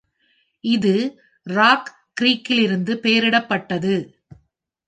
இது ராக் க்ரீக்கிலிருந்து பெயரிடப்பட்டது.